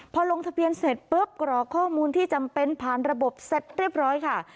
พอลงทะเบียนเสร็จปุ๊บกรอกข้อมูลที่จำเป็นผ่านระบบเสร็จเรียบร้อยค่ะ